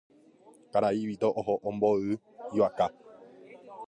Karai Vito oho omboy'u ivaka.